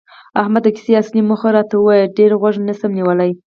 احمده! د کیسې اصلي موخه راته وایه، ډېر غوږ نشم نیولی.